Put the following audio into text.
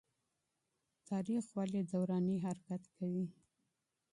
تاريخ ولي دوراني حرکت کوي؟